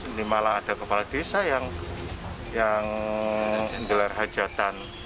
ini malah ada kepala desa yang menggelar hajatan